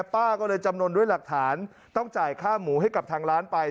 ป้าก็เลยจำนวนด้วยหลักฐานต้องจ่ายค่าหมูให้กับทางร้านไป